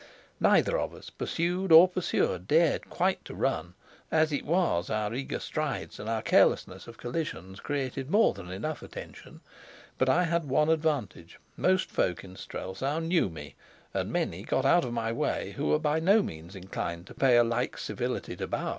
Neither of us, pursued or pursuer, dared quite to run; as it was, our eager strides and our carelessness of collisions created more than enough attention. But I had one advantage. Most folk in Strelsau knew me, and many got out of my way who were by no means inclined to pay a like civility to Bauer.